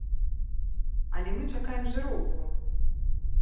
Але мы чакаем жыроўку!